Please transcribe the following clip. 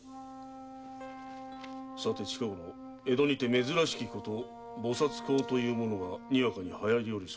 「さて近ごろ江戸にて珍しきこと菩薩講というものがにわかに流行りおり候。